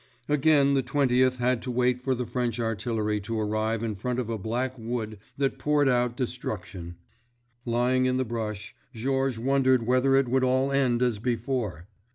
Again the Twentieth had to wait for the French artillery to arrive in front of a black wood that poured out destruction. Lying in the brush, Georges wondered whether it would all end as before.